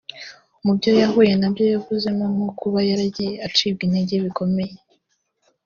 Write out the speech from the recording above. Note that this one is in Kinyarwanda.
Mu byo yahuye nabyo yavuzemo nko kuba yaragiye acibwa intege bikomeye